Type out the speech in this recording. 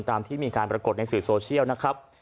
ตามที่มีการปรากฏในสื่อโซเชียลนะครับ